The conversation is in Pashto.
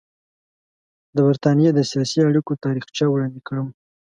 د برټانیې د سیاسي اړیکو تاریخچه وړاندې کړم.